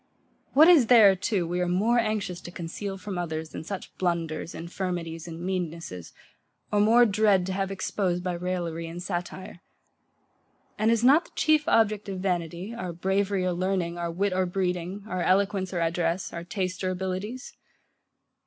What is there too we are more anxious to conceal from others than such blunders, infirmities, and meannesses, or more dread to have exposed by raillery and satire? And is not the chief object of vanity, our bravery or learning, our wit or breeding, our eloquence or address, our taste or abilities?